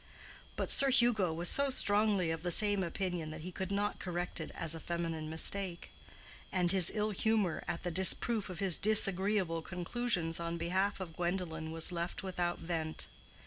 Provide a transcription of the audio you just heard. But Sir Hugo was so strongly of the same opinion that he could not correct it as a feminine mistake; and his ill humor at the disproof of his disagreeable conclusions on behalf of Gwendolen was left without vent.